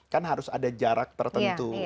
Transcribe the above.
kan harus ada jarak tertentu